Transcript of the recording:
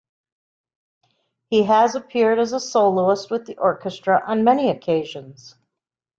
He has appeared as a soloist with the orchestra on many occasions.